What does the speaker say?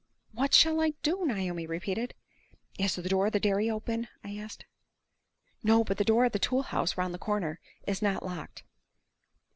"What shall I do?" Naomi repeated. "Is the door of the dairy open?" I asked. "No; but the door of the tool house, round the corner, is not locked."